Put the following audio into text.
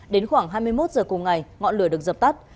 đến khoảng hai mươi một h cùng ngày ngọn lửa được dập tắt